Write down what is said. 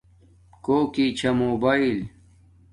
کوکی چھا موباݵل